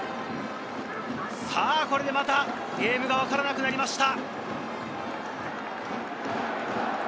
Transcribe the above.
さぁ、これでまたゲームがわからなくなりました。